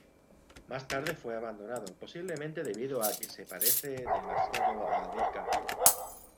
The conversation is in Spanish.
Más tarde fue abandonado, posiblemente debido a que se parece demasiado a "дк".